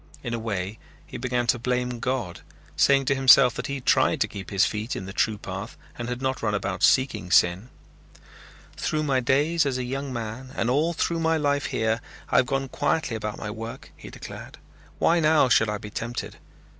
In a way he began to blame God, saying to himself that he had tried to keep his feet in the true path and had not run about seeking sin. "Through my days as a young man and all through my life here I have gone quietly about my work," he declared. "Why now should I be tempted?